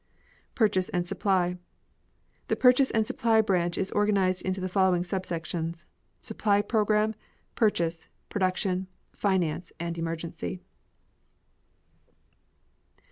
Purchase and Supply. The Purchase and Supply Branch is organized into the following subsections: Supply Program, Purchase, Production, Finance, and Emergency.